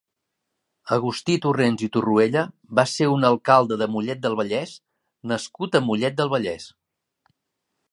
Agustí Torrents i Torruella va ser un alcalde de Mollet del Vallès nascut a Mollet del Vallès.